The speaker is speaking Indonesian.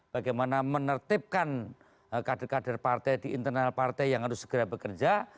bagaimana menertibkan kader kader partai di internal partai yang harus segera bekerja